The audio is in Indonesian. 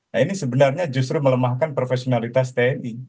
nah ini sebenarnya justru melemahkan profesionalitas tni